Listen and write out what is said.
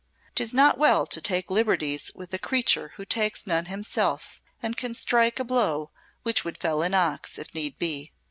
'Tis not well to take liberties with a creature who takes none himself, and can strike a blow which would fell an ox, if need be.